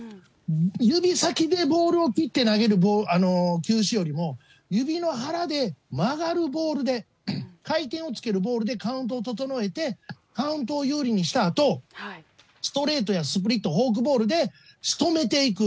指先でボールを切って投げる球種よりも、指の腹で曲がるボールで、回転をつけるボールでカウントを整えて、カウントを有利にしたあと、ストレートやスプリットフォークボールで、しとめていく。